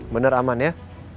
bener aman ya